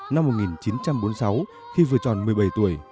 năm một nghìn chín trăm bốn mươi sáu khi vừa tròn một mươi bảy tuổi